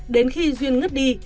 đến khi duyên ngất đi